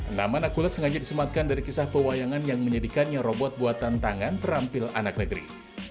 nama nakulat sengaja disematkan dari kisah pewayangan yang menyedikannya robot buatan tangan terampil anak negeri